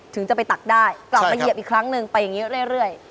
ถึงจะไปตักได้กลับมาเหยียบอีกครั้งหนึ่งไปอย่างนี้เรื่อย